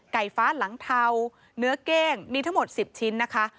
ฟ้าหลังเทาเนื้อเก้งมีทั้งหมด๑๐ชิ้นนะคะ